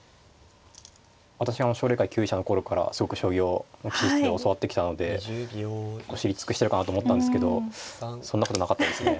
私が奨励会級位者の頃からすごく将棋を教わってきたので知り尽くしてるかなと思ったんですけどそんなことなかったですね。